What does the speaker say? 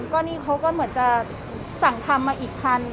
ก็นี่เขาก็เหมือนจะสั่งทำมาอีกพัน